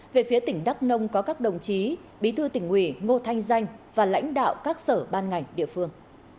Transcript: về phía tỉnh đắk nông có các đồng chí bí thư tỉnh ủy ngô thanh danh và lãnh đạo các sở ban ngành địa phương